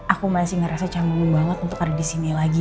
aku masih ngerasa canggung banget untuk ada disini lagi